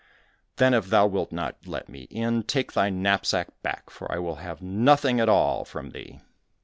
"Then if thou wilt not let me in, take thy knapsack back, for I will have nothing at all from thee."